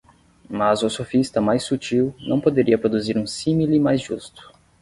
Mas o sofista mais sutil não poderia produzir um símile mais justo.